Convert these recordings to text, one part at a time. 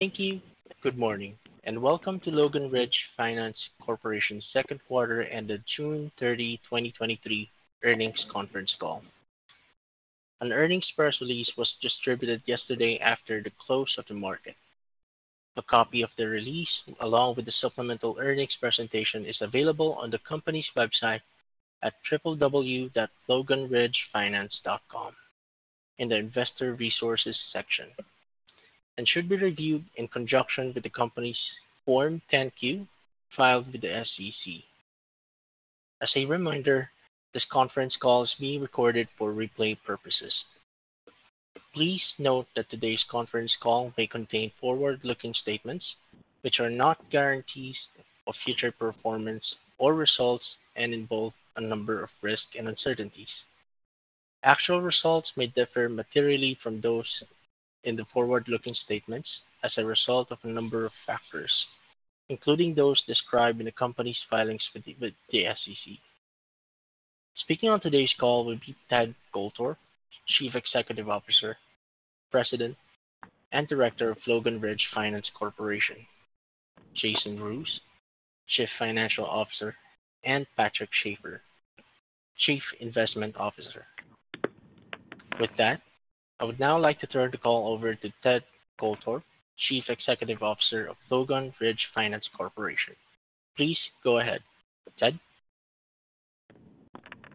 Thank you. Good morning, and welcome to Logan Ridge Finance Corporation's Q2 ended June 30th, 2023 earnings conference call. An earnings press release was distributed yesterday after the close of the market. A copy of the release, along with the supplemental earnings presentation, is available on the company's website at loganridgefinance.com in the Investor Resources section, and should be reviewed in conjunction with the company's Form 10-Q filed with the SEC. As a reminder, this conference call is being recorded for replay purposes. Please note that today's conference call may contain forward-looking statements which are not guarantees of future performance or results and involve a number of risks and uncertainties. Actual results may differ materially from those in the forward-looking statements as a result of a number of factors, including those described in the company's filings with the SEC. Speaking on today's call will be Ted Goldthorpe, Chief Executive Officer, President, and Director of Logan Ridge Finance Corporation; Jason Roos, Chief Financial Officer; and Patrick Schafer, Chief Investment Officer. With that, I would now like to turn the call over to Ted Goldthorpe, Chief Executive Officer of Logan Ridge Finance Corporation. Please go ahead, Ted.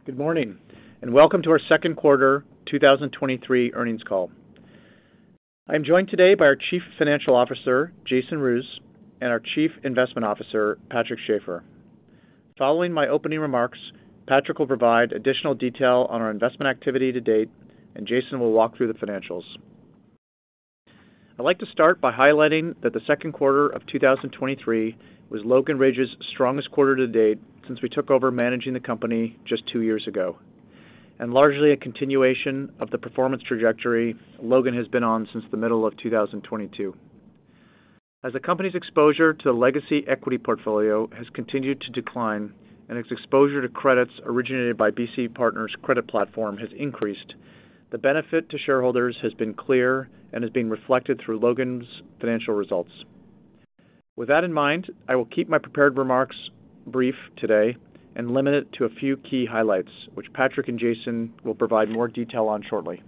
Good morning, welcome to our Q2 2023 earnings call. I'm joined today by our Chief Financial Officer, Jason Roos, and our Chief Investment Officer, Patrick Schafer. Following my opening remarks, Patrick will provide additional detail on our investment activity to date, and Jason will walk through the financials. I'd like to start by highlighting that the Q2 of 2023 was Logan Ridge's strongest quarter to date since we took over managing the company just two years ago, and largely a continuation of the performance trajectory Logan has been on since the middle of 2022. As the company's exposure to the legacy equity portfolio has continued to decline and its exposure to credits originated by BC Partners' credit platform has increased, the benefit to shareholders has been clear and is being reflected through Logan's financial results. With that in mind, I will keep my prepared remarks brief today and limit it to a few key highlights, which Patrick and Jason will provide more detail on shortly.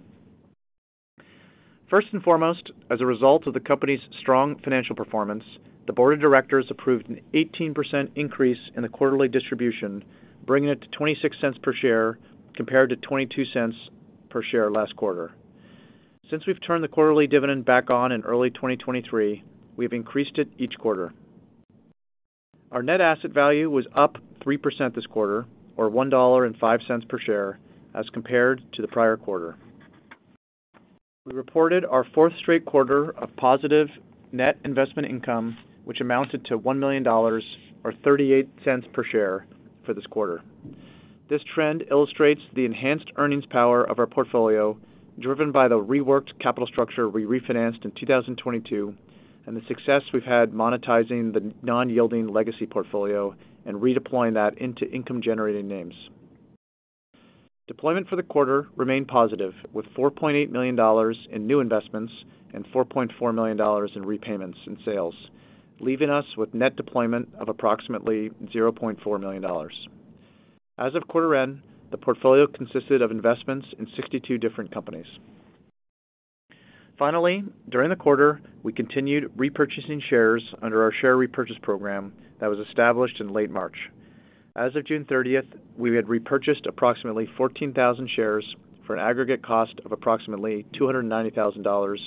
First and foremost, as a result of the company's strong financial performance, the board of directors approved an 18% increase in the quarterly distribution, bringing it to $0.26 per share, compared to $0.22 per share last quarter. Since we've turned the quarterly dividend back on in early 2023, we've increased it each quarter. Our net asset value was up 3% this quarter, or $1.05 per share, as compared to the prior quarter. We reported our 4th straight quarter of positive net investment income, which amounted to $1 million, or $0.38 per share, for this quarter. This trend illustrates the enhanced earnings power of our portfolio, driven by the reworked capital structure we refinanced in 2022, and the success we've had monetizing the non-yielding legacy portfolio and redeploying that into income-generating names. Deployment for the quarter remained positive, with $4.8 million in new investments and $4.4 million in repayments and sales, leaving us with net deployment of approximately $0.4 million. As of quarter end, the portfolio consisted of investments in 62 different companies. Finally, during the quarter, we continued repurchasing shares under our share repurchase program that was established in late March. As of June 30th, we had repurchased approximately 14,000 shares for an aggregate cost of approximately $290,000,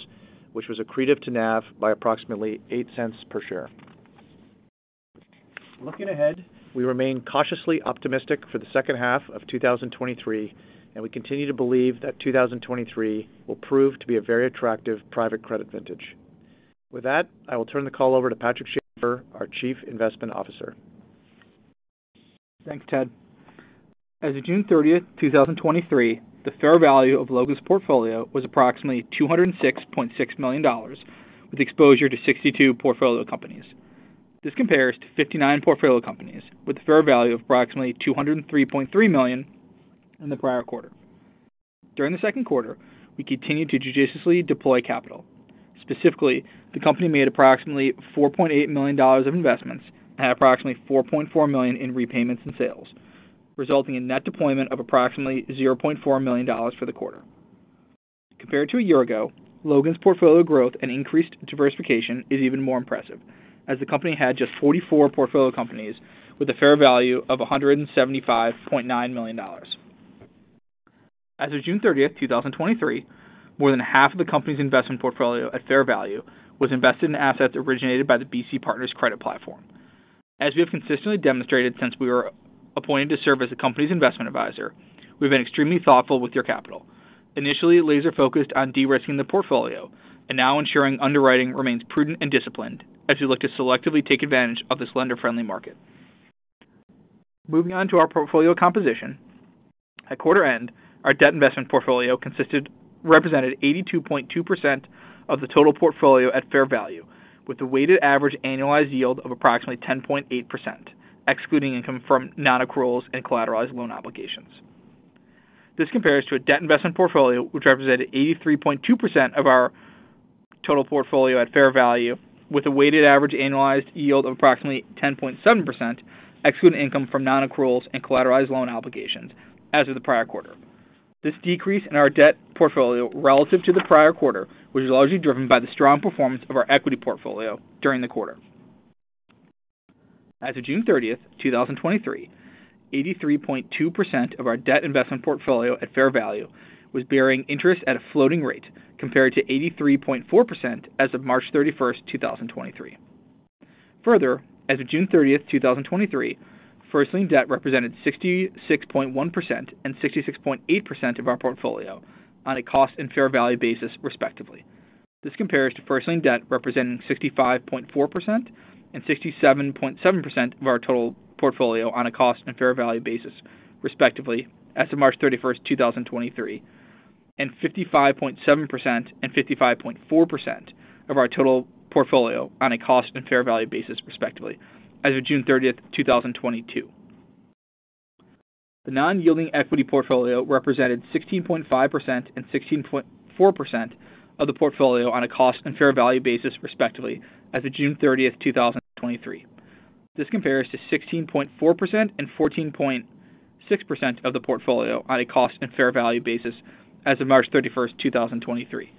which was accretive to NAV by approximately $0.08 per share. Looking ahead, we remain cautiously optimistic for the second half of 2023, and we continue to believe that 2023 will prove to be a very attractive private credit vintage. With that, I will turn the call over to Patrick Schafer, our Chief Investment Officer. Thanks, Ted. As of June 30th 2023, the fair value of Logan's portfolio was approximately $206.6 million, with exposure to 62 portfolio companies. This compares to 59 portfolio companies with a fair value of approximately $203.3 million in the prior quarter. During the Q2, we continued to judiciously deploy capital. Specifically, the company made approximately $4.8 million of investments and had approximately $4.4 million in repayments and sales, resulting in net deployment of approximately $0.4 million for the quarter. Compared to a year ago, Logan's portfolio growth and increased diversification is even more impressive, as the company had just 44 portfolio companies with a fair value of $175.9 million. As of June 30th, 2023, more than half of the company's investment portfolio at fair value was invested in assets originated by the BC Partners Credit Platform. As we have consistently demonstrated since we were appointed to serve as the company's investment advisor, we've been extremely thoughtful with your capital. Initially, laser-focused on de-risking the portfolio and now ensuring underwriting remains prudent and disciplined as we look to selectively take advantage of this lender-friendly market. Moving on to our portfolio composition. At quarter end, our debt investment portfolio represented 82.2% of the total portfolio at fair value, with a weighted average annualized yield of approximately 10.8%, excluding income from non-accruals and collateralized loan obligations. This compares to a debt investment portfolio, which represented 83.2% of our total portfolio at fair value, with a weighted average annualized yield of approximately 10.7%, excluding income from non-accruals and collateralized loan obligations as of the prior quarter. This decrease in our debt portfolio relative to the prior quarter, which is largely driven by the strong performance of our equity portfolio during the quarter. As of June 30th, 2023, 83.2% of our debt investment portfolio at fair value was bearing interest at a floating rate, compared to 83.4% as of March 31st, 2023. As of June 30th, 2023, first lien debt represented 66.1% and 66.8% of our portfolio on a cost and fair value basis, respectively. This compares to first lien debt representing 65.4% and 67.7% of our total portfolio on a cost and fair value basis, respectively, as of March 31, 2023, and 55.7% and 55.4% of our total portfolio on a cost and fair value basis, respectively, as of June 30th, 2022. The non-yielding equity portfolio represented 16.5% and 16.4% of the portfolio on a cost and fair value basis, respectively, as of June 30th, 2023. This compares to 16.4% and 14.6% of the portfolio on a cost and fair value basis as of March 31, 2023.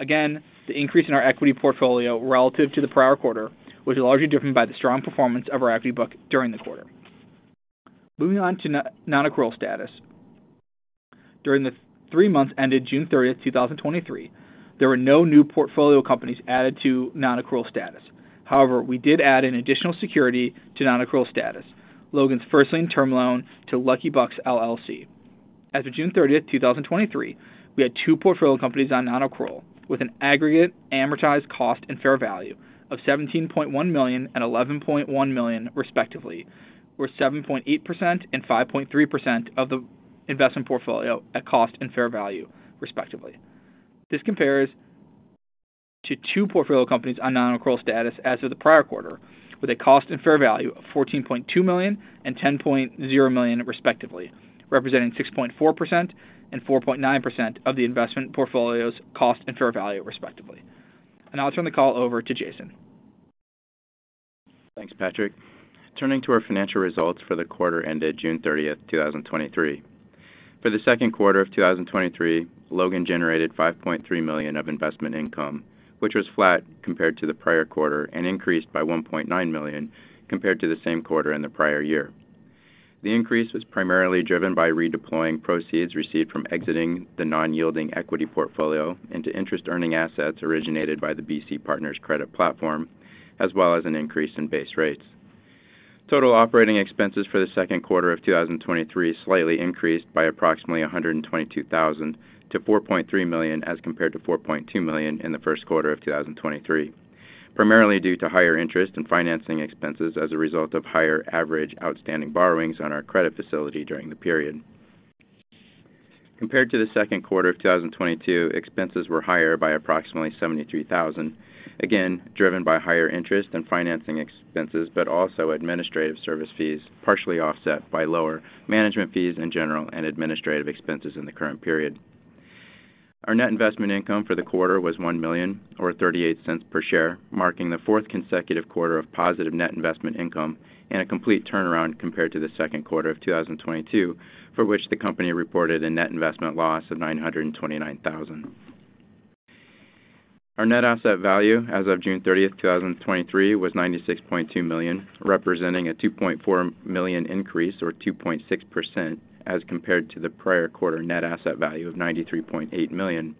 The increase in our equity portfolio relative to the prior quarter, which is largely driven by the strong performance of our equity book during the quarter. Moving on to non-accrual status. During the three months ended June 30th, 2023, there were no new portfolio companies added to non-accrual status. We did add an additional security to non-accrual status, Logan's first lien term loan to Lucky Bucks, LLC. As of June 30th, 2023, we had two portfolio companies on non-accrual, with an aggregate amortized cost and fair value of $17.1 million and $11.1 million, respectively, or 7.8% and 5.3% of the investment portfolio at cost and fair value, respectively. This compares to 2 portfolio companies on non-accrual status as of the prior quarter, with a cost and fair value of $14.2 million and $10.0 million, respectively, representing 6.4% and 4.9% of the investment portfolio's cost and fair value, respectively. Now I'll turn the call over to Jason. Thanks, Patrick. Turning to our financial results for the quarter ended June 30th, 2023. For the Q2 of 2023, Logan generated $5.3 million of investment income, which was flat compared to the prior quarter and increased by $1.9 million compared to the same quarter in the prior year. The increase was primarily driven by redeploying proceeds received from exiting the non-yielding equity portfolio into interest-earning assets originated by the BC Partners Credit platform, as well as an increase in base rates. Total operating expenses for the Q2 of 2023 slightly increased by approximately $122,000 to $4.3 million, as compared to $4.2 million in the Q1 of 2023, primarily due to higher interest in financing expenses as a result of higher average outstanding borrowings on our credit facility during the period. Compared to the Q2 of 2022, expenses were higher by approximately $73,000, again, driven by higher interest in financing expenses, but also administrative service fees, partially offset by lower management fees in general and administrative expenses in the current period. Our net investment income for the quarter was $1 million, or $0.38 per share, marking the fourth consecutive quarter of positive net investment income and a complete turnaround compared to the Q2 of 2022, for which the company reported a net investment loss of $929,000. Our net asset value as of June 30th, 2023, was $96.2 million, representing a $2.4 million increase or 2.6% as compared to the prior quarter net asset value of $93.8 million.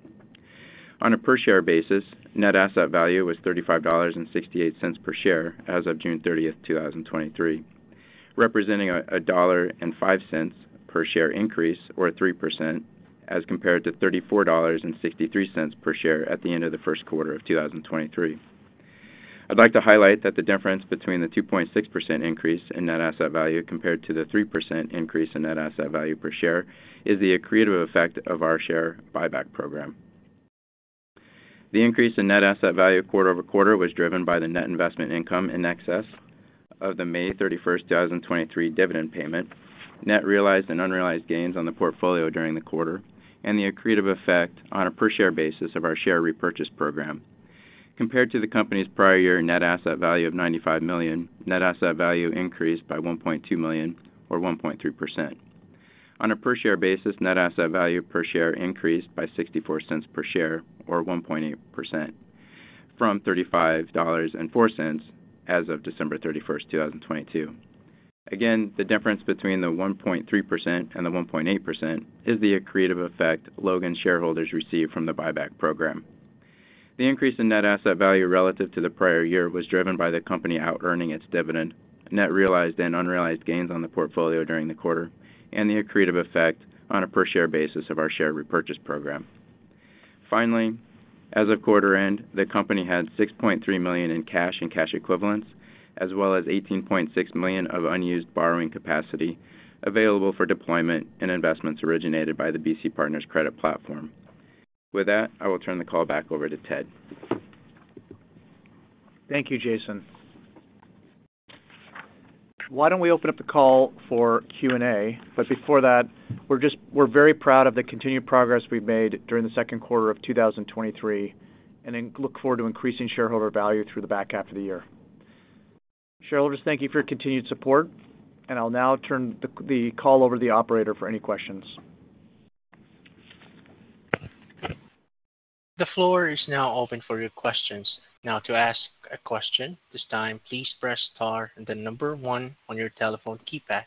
On a per share basis, net asset value was $35.68 per share as of June 30th, 2023, representing a $1.05 per share increase or 3% as compared to $34.63 per share at the end of the Q1 of 2023. I'd like to highlight that the difference between the 2.6% increase in net asset value compared to the 3% increase in net asset value per share is the accretive effect of our share buyback program. The increase in net asset value quarter-over-quarter was driven by the net investment income in excess of the May 31st, 2023, dividend payment, net realized and unrealized gains on the portfolio during the quarter, and the accretive effect on a per share basis of our share repurchase program. Compared to the company's prior year net asset value of $95 million, net asset value increased by $1.2 million, or 1.3%. On a per share basis, net asset value per share increased by $0.64 per share or 1.8% from $35.04 as of December 31st, 2022. Again, the difference between the 1.3% and the 1.8% is the accretive effect Logan's shareholders received from the buyback program. The increase in net asset value relative to the prior year was driven by the company outearning its dividend, net realized and unrealized gains on the portfolio during the quarter, and the accretive effect on a per share basis of our share repurchase program. Finally, as of quarter end, the company had $6.3 million in cash and cash equivalents, as well as $18.6 million of unused borrowing capacity available for deployment and investments originated by the BC Partners credit platform. With that, I will turn the call back over to Ted. Thank you, Jason. Why don't we open up the call for Q&A? Before that, we're very proud of the continued progress we've made during the Q2 of 2023, and then look forward to increasing shareholder value through the back half of the year. Shareholders, thank you for your continued support, and I'll now turn the call over to the operator for any questions. The floor is now open for your questions. Now, to ask a question, this time, please press star and then 1 on your telephone keypad.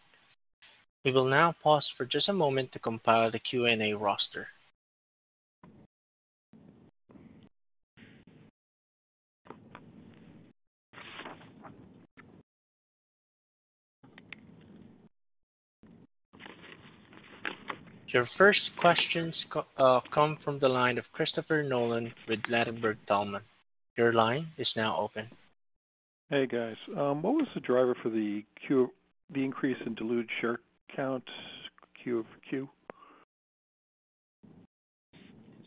We will now pause for just a moment to compile the Q&A roster. Your first questions come from the line of Christopher Nolan with Ladenburg Thalmann. Your line is now open. Hey, guys. What was the driver for the increase in diluted share count Q-over-Q?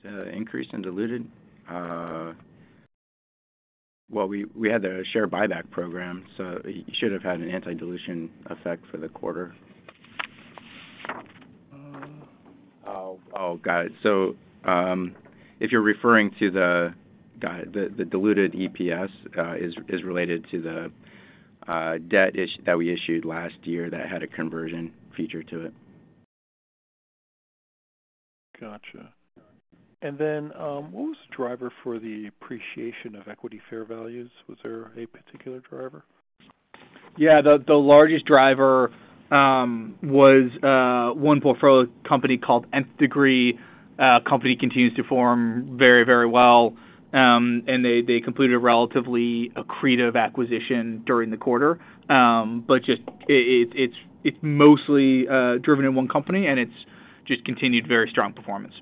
The increase in diluted? Well, we had the share buyback program, so it should have had an anti-dilution effect for the quarter. Got it. If you're referring to the diluted EPS, is related to the debt that we issued last year that had a conversion feature to it. Got you. What was the driver for the appreciation of equity fair values? Was there any particular driver? Yes, the largest driver was one portfolio company called Nth Degree. Company continues to form very well, and they completed a relatively accretive acquisition during the quarter. It's mostly driven in one company, and it just continued very strong performance.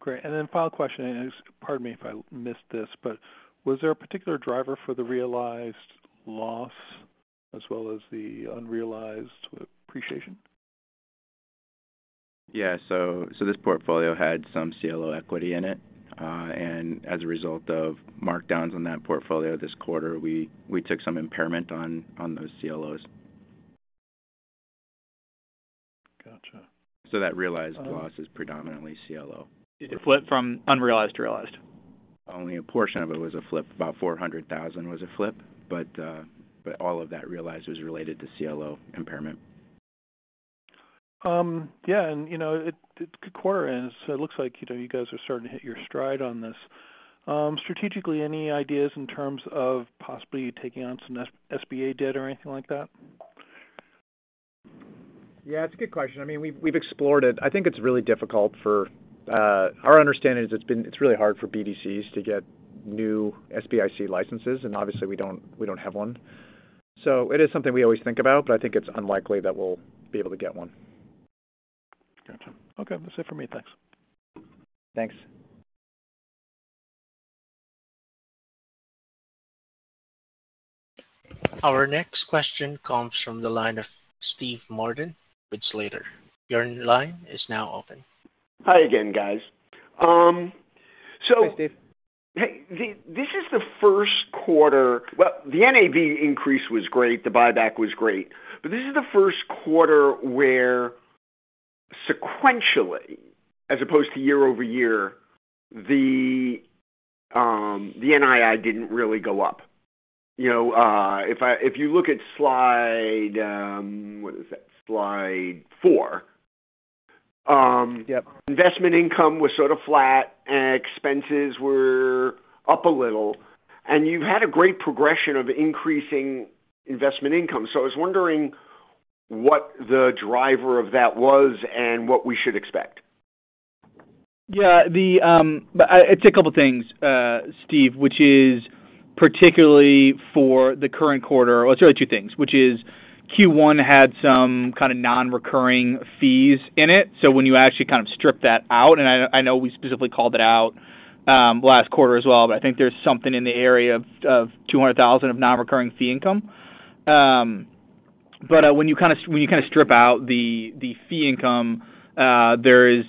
Great. Final question, pardon me if I missed this, was there a particular driver for the realized loss as well as the unrealized appreciation? Yes. This portfolio had some CLO equity in it. As a result of markdowns on that portfolio this quarter, we took some impairment on those CLOs. Got you. That realized loss is predominantly CLO. It flipped from unrealized to realized. Only a portion of it was a flip. About $400,000 was a flip, but all of that realized was related to CLO impairment. Yes, it looks like you guys are starting to hit your stride on this. Strategically, any ideas in terms of possibly taking on some SBA debt or anything like that? Yes, it's a good question. We've explored it. I think it's really difficult for. Our understanding is it's really hard for BDCs to get new SBIC licenses, and obviously we don't have one. It is something we always think about, but I think it's unlikely that we'll be able to get one. Got you. Okay, that's it for me. Thanks. Thanks. Our next question comes from the line of Steven Martin with Slater. Your line is now open. Hi again, guys. Hi, Steve. Hey, this is the Q1. Well, the NAV increase was great, the buyback was great, but this is the Q1 where sequentially, as opposed to year-over-year, the NII didn't really go up. If you look at slide, what is it? Slide four. Yes. Investment income was sort of flat, and expenses were up a little, and you've had a great progression of increasing investment income. I was wondering what the driver of that was and what we should expect? Yes. It's a couple of things, Steve, which is particularly for the current quarter. Let's say two things, which is Q1 had some non-recurring fees in it. When you actually strip that out, and we specifically called it out last quarter as well, but I think there's something in the area of $200,000 of non-recurring fee income. When you strip out the fee income, there's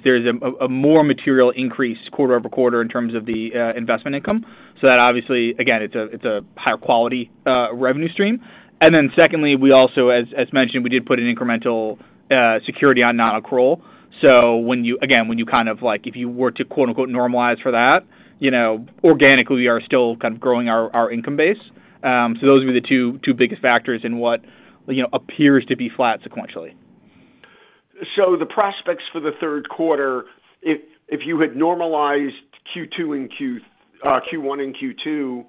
a more material increase quarter-over-quarter in terms of the investment income. That obviously it's higher quality revenue stream. Then secondly, we also mentioned, we did put an incremental security on non-accrual. Again, if you were to "normalize for that," organically, we are still growing our income base. Those would be the two biggest factors in what appears to be flat sequentially. The prospects for the Q3, if you had normalized Q1 and Q2,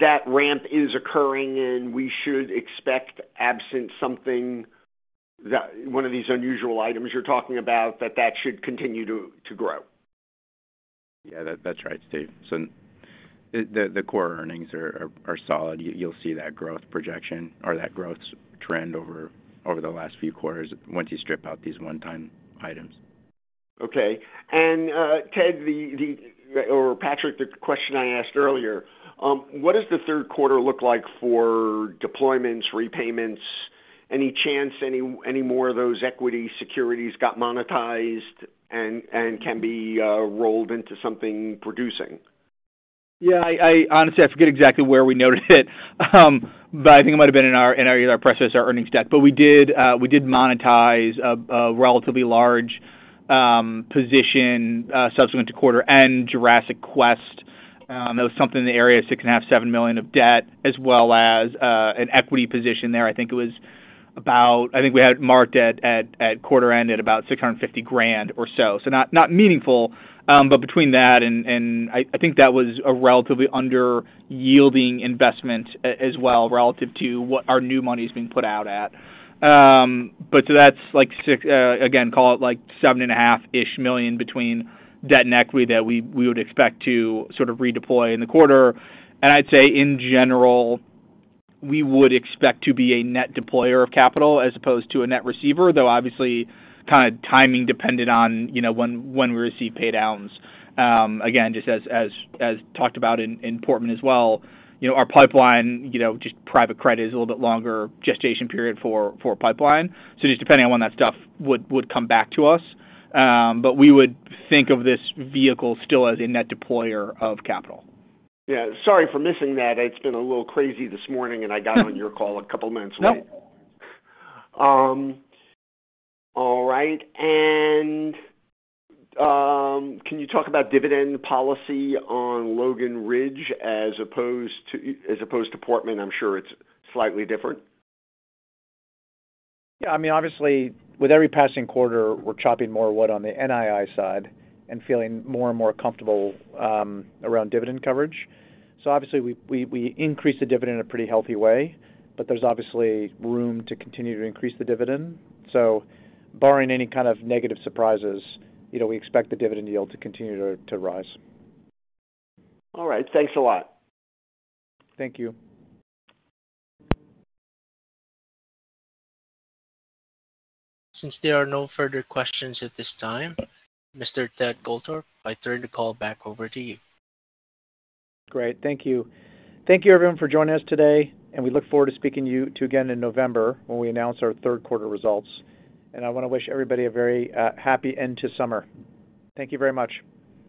that ramp is occurring, and we should expect, absent something, that one of these unusual items you're talking about that should continue to grow? Yes, that's right, Steve. The core earnings are solid. You'll see that growth projection or that growth trend over the last few quarters once you strip out these one-time items. Okay. Ted, or Patrick, the question I asked earlier, what does the Q3 look like for deployments, repayments? Any chance, any more of those equity securities got monetized and can be rolled into something producing? Yes. Honestly, I forget exactly where we noted it. I think it might have been in our press or our earnings deck. We did monetize a relatively large position subsequent to quarter-end and Jurassic Quest. That was something in the area of $6.5 million-$7 million of debt, as well as an equity position there. I think we had it marked at quarter-end at about $650,000 or so. Not meaningful, but between that... I think that was a relatively under yielding investment as well, relative to what our new money is being put out at. That's like, again, call it $7.5 million is between debt and equity that we would expect to sort of redeploy in the quarter. I'd say in general, we would expect to be a net deployer of capital as opposed to a net receiver, though obviously timing dependent on when we receive pay downs. Again, just as talked about in Portman as well, our pipeline, just private credit is a little bit longer gestation period for pipeline, so just depending on when that stuff would come back to us. We would think of this vehicle still as a net deployer of capital. Yes, sorry for missing that. It's been a little crazy this morning, and I got on your call a couple of minutes late. No. All right. Can you talk about dividend policy on Logan Ridge as opposed to Portman? I'm sure it's slightly different. Yes, Obviously, with every passing quarter, we're chopping more wood on the NII side and feeling more and more comfortable, around dividend coverage. Obviously, we increase the dividend in a pretty healthy way, but there's obviously room to continue to increase the dividend. Barring any negative surprises, we expect the dividend yield to continue to, to rise. All right. Thanks a lot. Thank you. Since there are no further questions at this time, Mr. Ted Goldthorpe, I turn the call back over to you. Great. Thank you everyone, for joining us today. We look forward to speaking to you again in November, when we announce our Q3 results. I want to wish everybody a very happy end to summer. Thank you very much.